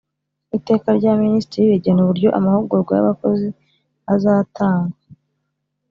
Iteka rya Minisitiri rigena uburyo amahugurwa y abakozi atangwa